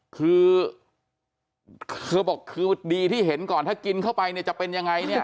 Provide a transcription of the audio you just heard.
คือเธอบอกคือดีที่เห็นก่อนถ้ากินเข้าไปเนี่ยจะเป็นยังไงเนี่ย